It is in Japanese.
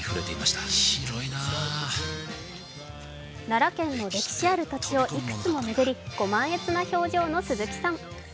奈良県の歴史ある土地をいくつも巡り、ご満悦な表情の鈴木さん。